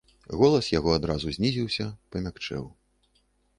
Голас яго адразу знізіўся, памякчэў.